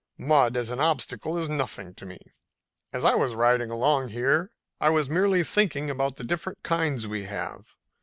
Mud as an obstacle is nothing to me. As I was riding along here I was merely thinking about the different kinds we have.